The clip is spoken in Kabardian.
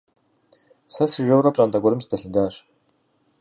Сэ сыжэурэ пщӏантӏэ гуэрым сыдэлъэдащ.